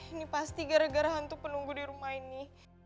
ini pasti gara gara hantu penunggu di rumah ini